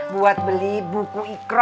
buat beli buku ikhro